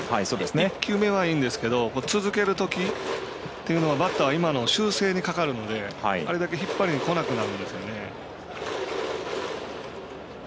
１球目はいいんですけど続けるときというのはバッターは今のを修正にかかるのであれだけ引っ張りにこなくなるんです。